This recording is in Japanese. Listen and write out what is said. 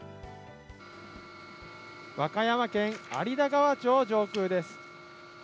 和歌山県有田川町、上空です。